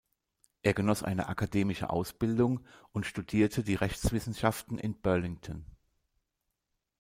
Er genoss eine akademische Ausbildung und studierte die Rechtswissenschaften in Burlington.